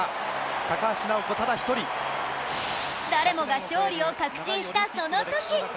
誰もが勝利を確信したその時